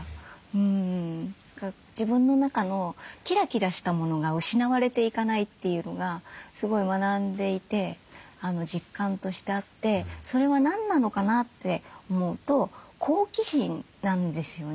自分の中のキラキラしたものが失われていかないというのがすごい学んでいて実感としてあってそれは何なのかなって思うと好奇心なんですよね。